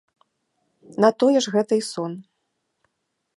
На тое ж гэта і сон.